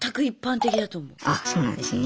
あそうなんですね。